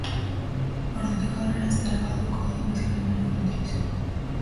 Ordutik aurrera zeharo galduko du neskarenganako interesa.